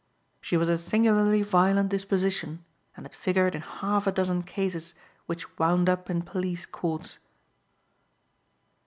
She was a singularly violent disposition and had figured in half a dozen cases which wound up in police courts.